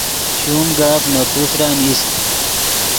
شوم گپ نے پوسرن ایست